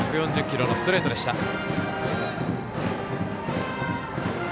１４０キロのストレートでした。